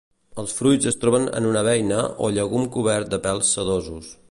Els fruits es troben en una beina o llegum cobert de pèls sedosos.